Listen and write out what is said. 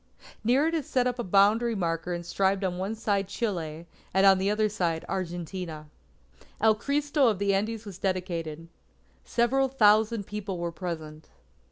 Near it is set up a boundary marker inscribed on one side Chile, and on the other, Argentina. El Cristo of the Andes was dedicated. Several thousand people were present.